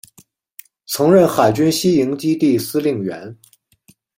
曾任海军西营基地司令员。